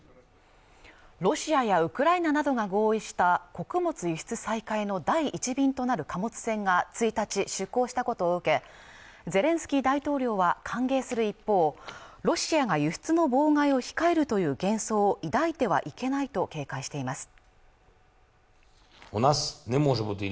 ロシアやウクライナなどが合意した穀物輸出再開の第１便となる貨物線が１日出港したことを受けゼレンスキー大統領は歓迎する一方ロシアが輸出の妨害を控えるという幻想を抱いてはいけないと警戒しています